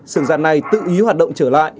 sưởng giặt này tự ý hoạt động trở lại